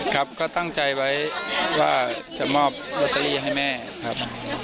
ครับก็ตั้งใจไว้ว่าจะมอบลอตเตอรี่ให้แม่ครับ